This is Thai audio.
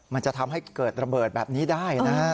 มันจะทำให้เกิดระเบิดแบบนี้ได้นะฮะ